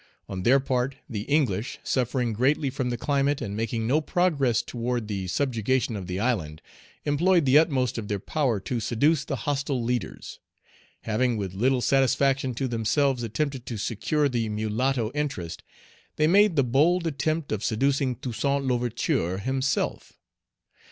On their part, the English, suffering greatly from the climate, and making no progress toward the subjugation of the island, employed the utmost of their power to seduce the hostile leaders. Having with little satisfaction to themselves attempted to secure the mulatto interest, they made the bold attempt of seducing Toussaint L'Ouverture himself.